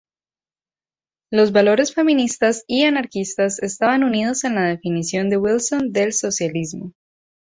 Los valores feministas y anarquistas estaban unidos en la definición de Wilson del socialismo.